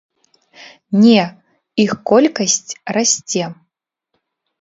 Не, іх колькасць расце.